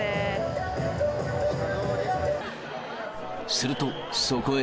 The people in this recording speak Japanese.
すると、そこへ。